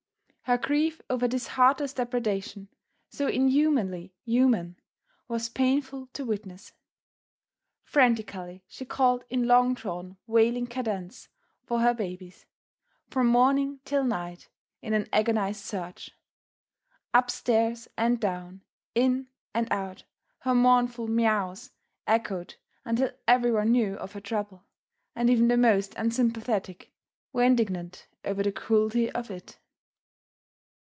Her grief over this heartless depredation, so inhumanly human, was painful to witness. Frantically she called in long drawn, wailing cadence for her babies, from morning till night, in an agonized search. Up stairs and down, in and out, her mournful meows echoed, until everyone knew of her trouble, and even the most unsympathetic were indignant over the cruelty of it.